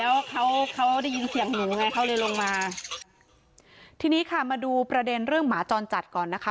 แล้วเขาเขาได้ยินเสียงหนูไงเขาเลยลงมาทีนี้ค่ะมาดูประเด็นเรื่องหมาจรจัดก่อนนะคะ